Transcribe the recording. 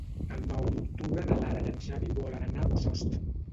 El nou d'octubre na Lara i en Xavi volen anar a Bossòst.